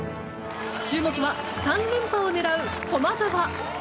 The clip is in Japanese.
注目は３連覇を狙う駒澤。